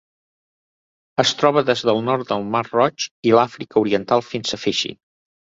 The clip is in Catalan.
Es troba des del nord del Mar Roig i l'Àfrica Oriental fins a Fiji.